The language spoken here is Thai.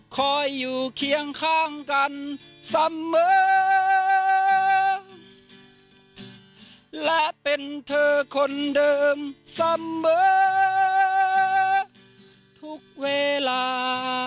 คอยอยู่เคียงข้างกันเสมอและเป็นเธอคนเดิมเสมอทุกเวลา